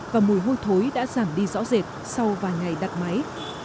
và mùi hôi thối đã giảm đi rõ rệt sau vài ngày đặt máy